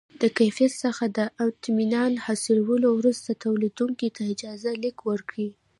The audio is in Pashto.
د کیفیت څخه د اطمینان حاصلولو وروسته تولیدوونکي ته اجازه لیک ورکوي.